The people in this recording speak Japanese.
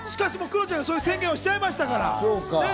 しかし、クロちゃんそういう宣言しちゃいましたから。